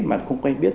mà không quay biết